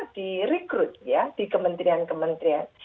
di rekrut ya di kementerian kementerian